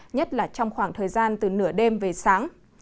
nhất là trong khoảng thời gian từ nửa đêm về sáng